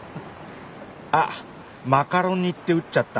あっマカロニって打っちゃった。